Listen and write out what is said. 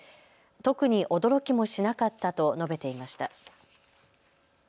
特に驚きもしなかったと述べていました。